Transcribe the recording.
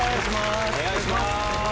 お願いします。